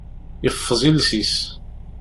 Iffeẓ iles-is.